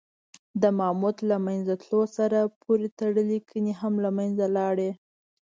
د ماموت له منځه تلو سره پورې تړلي کنې هم له منځه لاړې.